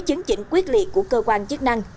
chứng chỉnh quyết liệt của cơ quan chức năng